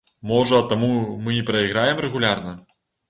Можа, таму мы і прайграем рэгулярна?